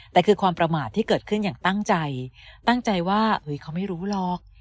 แต่คือความประมาทที่เกิดขึ้นอย่างตั้งใจตั้งใจว่าเฮ้ยเขาไม่รู้หรอก